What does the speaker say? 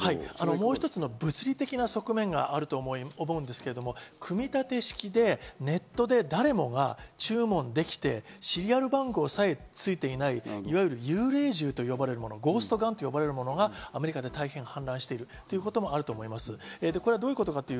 もう一つの物理的な側面があると思うんですけど、組み立て式で、ネットで誰もが注文できて、シリアル番号さえついていない、いわゆる幽霊銃といわれるもの、ゴーストガンといわれるものがアメリカで氾濫していることもあると思います。